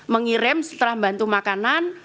mengirim setelah bantu makanan